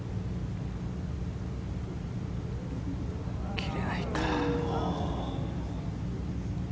切れないか。